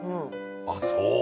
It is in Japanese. ああそう！